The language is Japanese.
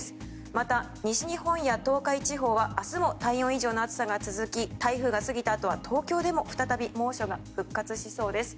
また西日本や東海地方は明日も体温以上の暑さが続き台風が過ぎたあとは東京でも再び猛暑が復活しそうです。